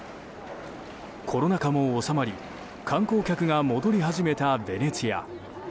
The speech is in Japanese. コロナ禍も収まり観光客が戻り始めたベネチア。